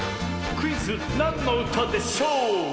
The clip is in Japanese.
クイズ「なんのうたでしょう」！